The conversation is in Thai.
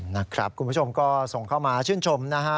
นะครับคุณผู้ชมก็ส่งเข้ามาชื่นชมนะฮะ